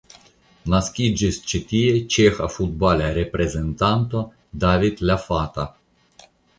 Naskiĝis ĉi tie ĉeĥa futbala reprezentanto David Lafata.